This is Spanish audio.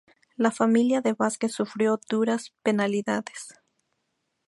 La familia de Vásquez sufrió duras penalidades.